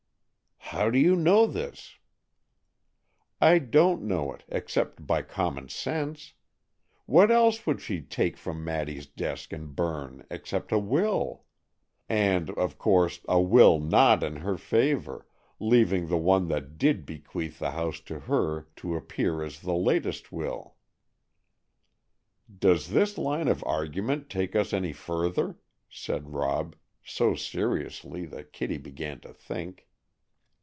"How do you know this?" "I don't know it, except by common sense! What else would she take from Maddy's desk and burn except a will? And, of course, a will not in her favor, leaving the one that did bequeath the house to her to appear as the latest will." "Does this line of argument take us any further?" said Rob, so seriously that Kitty began to think.